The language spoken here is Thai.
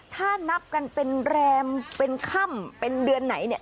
ถ้านับกันเป็นแรมเป็นค่ำเป็นเดือนไหนเนี่ย